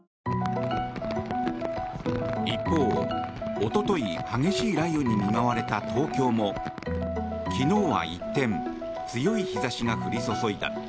一方、おととい激しい雷雨に見舞われた東京も昨日は一転強い日差しが降り注いだ。